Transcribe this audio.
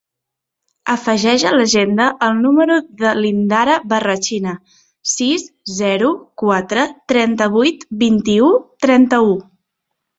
Afegeix a l'agenda el número de l'Indara Barrachina: sis, zero, quatre, trenta-vuit, vint-i-u, trenta-u.